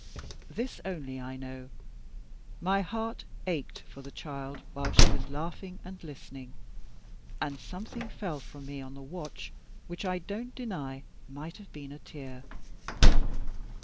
This only I know: my heart ached for the child while she was laughing and listening; and something fell from me on the watch which I don't deny might have been a tear.